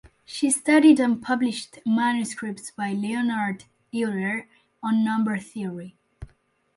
She studied unpublished manuscripts by Leonhard Euler on number theory.